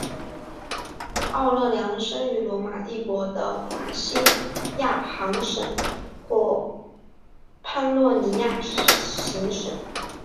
奥勒良生于罗马帝国的达西亚行省或潘诺尼亚行省。